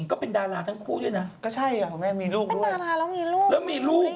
เขาก็รู้แต่ว่า